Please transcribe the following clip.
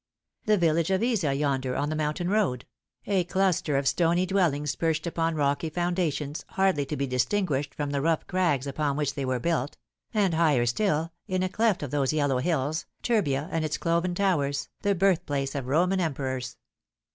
The village of Eza yonder on the mountain road a 280 The Fatal Three. cluster of stony dwellings perched upon rocky foundations, hardly to be distinguished from the rough crags upon which they were built and higher still, in a cleft of those yellow hills, Turbia, and its cloven towers, the birthplace of Roman Emperors.